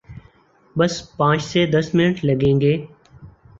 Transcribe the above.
بس پانچھ سے دس منٹ لگئیں گے۔